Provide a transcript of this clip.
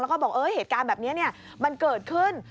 แล้วก็บอกเหตุการณ์แบบนี้มันเกิดขึ้น